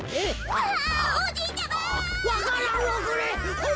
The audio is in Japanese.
うわ